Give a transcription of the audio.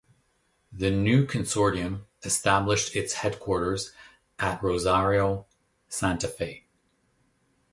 The new consortium established its headquarters at Rosario, Santa Fe.